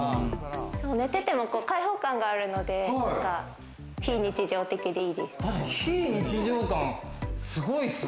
寝てても開放感があるので、非日常的でいいです。